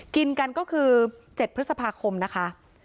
กินกันก็คือ๗พฤษภาคมนะคะ